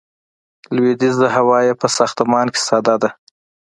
لویدیځه خوا یې په ساختمان کې ساده ده.